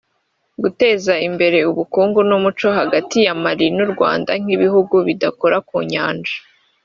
guteza imbere ubukungu n’umuco hagati ya Mali n’ u Rwanda nk’ibihugu bidakora ku Nyanja”